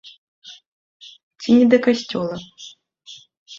Ці не да касцёла.